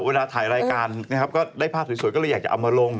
เวลาถ่ายรายการนะครับก็ได้ภาพสวยก็เลยอยากจะเอามาลง